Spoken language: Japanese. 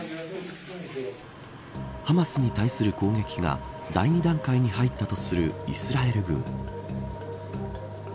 ハマスに対する攻撃が第２段階に入ったとするイスラエル軍。